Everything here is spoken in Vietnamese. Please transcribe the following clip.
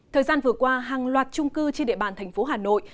thời gian vừa qua hàng loạt trung cư trên địa bàn tp hà nội